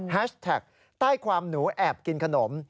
แท็กใต้ความหนูแอบกินขนม